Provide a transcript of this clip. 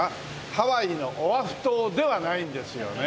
ハワイのオアフ島ではないんですよね。